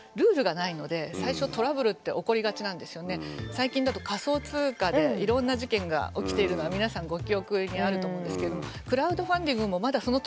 最近だと仮想通貨でいろんな事件が起きているのは皆さんご記憶にあると思うんですけれども。